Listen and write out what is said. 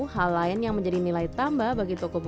hal lain yang menjadi nilai tambah bagi toko buku